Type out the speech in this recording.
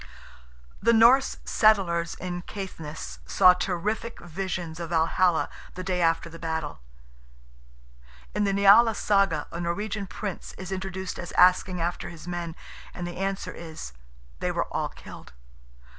The Norse settlers in Caithness saw terrific visions of Valhalla "the day after the battle." In the NIALA SAGA a Norwegian prince is introduced as asking after his men, and the answer is, "they were all killed."